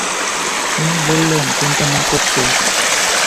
উনি বললেন চিন্তা না করতে।